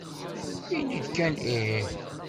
Ini-d kan ih!